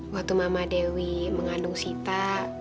waktu mama dewi mengandung sita